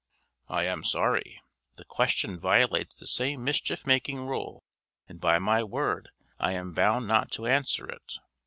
"I am sorry! The question violates the same mischief making rule, and by my word I am bound not to answer it.